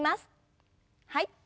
はい。